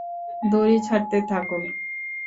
দড়ি ছাড়তে থাকুন!